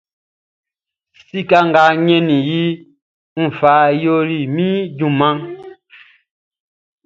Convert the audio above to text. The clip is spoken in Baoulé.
Sika nga n ɲɛnnin iʼn, n fa yoli min junmanʼn.